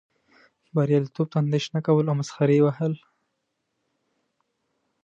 بریالیتوب ته اندیښنه کول او مسخرې وهل.